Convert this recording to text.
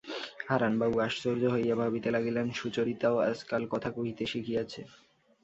হারানবাবু আশ্চর্য হইয়া ভাবিতে লাগিলেন– সুচরিতাও আজকাল কথা কহিতে শিখিয়াছে!